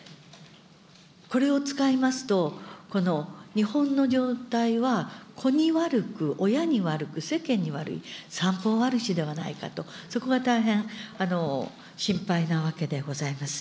これを使いますと、日本の状態は子に悪く、親に悪く、世間に悪い、三方わるしではないかと、そこが大変心配なわけでございます。